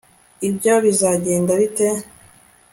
ibyo bizagenda bite